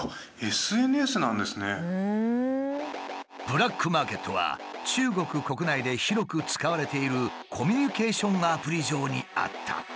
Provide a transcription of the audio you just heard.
ブラックマーケットは中国国内で広く使われているコミュニケーションアプリ上にあった。